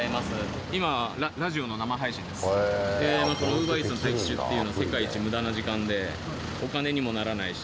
ＵｂｅｒＥａｔｓの待機中っていうのは世界一無駄な時間でお金にもならないし。